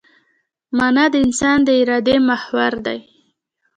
مانا د انسان د ارادې محور دی.